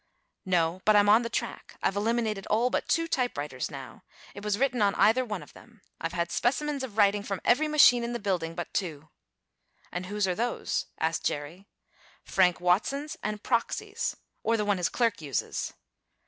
"No, but I'm on the track. I've eliminated all but two typewriters now. It was written on either one of them. I've had specimens of writing from every machine in the building but two." "And whose are those?" asked Jerry. "Frank Watson's and Proxy's or the one his clerk uses."